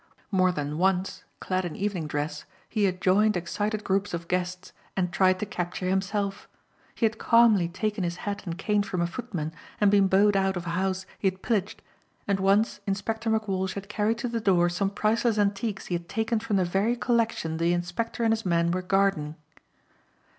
More than once, clad in evening dress, he had joined excited groups of guests and tried to capture himself. He had calmly taken his hat and cane from a footman and been bowed out of a house he had pillaged and once Inspector McWalsh had carried to the door some priceless antiques he had taken from the very collection the Inspector and his men were guarding.